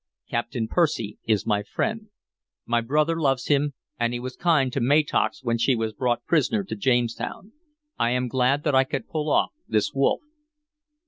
"Captain Percy is my friend. My brother loves him, and he was kind to Matoax when she was brought prisoner to Jamestown. I am glad that I could pull off this wolf."